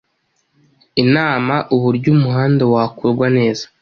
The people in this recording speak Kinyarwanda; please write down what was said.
inama uburyo umuhanda wakorwa neza”